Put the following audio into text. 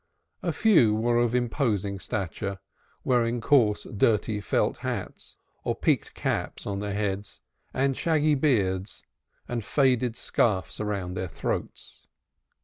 A few were of imposing stature, wearing coarse, dusty felt hats or peaked caps, with shaggy beards or faded scarfs around their throats.